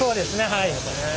はい。